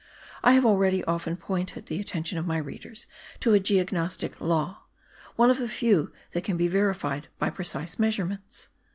I have already often pointed the attention of my readers to a geognostic law, one of the few that can be verified by precise measurements.